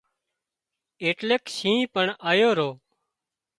ايٽليڪ شِينهن پڻ آيو رو